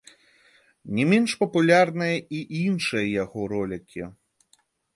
Не менш папулярныя і іншыя яго ролікі.